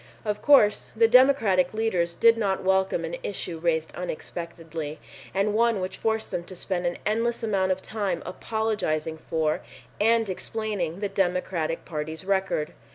Of course, the Democratic leaders did not welcome an issue raised unexpectedly, and one which forced them to spend an endless amount of time apologizing for and explaining the Democratic Party's record.